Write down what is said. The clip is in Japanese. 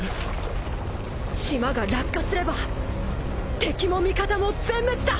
島が落下すれば敵も味方も全滅だ！